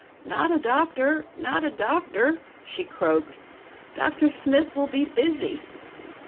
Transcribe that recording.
Not a doctor! Not a doctor!" she croaked. "Doctor Smyth will be busy."